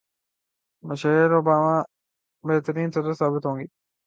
Michel Obama بہترین صدر ثابت ہوں گی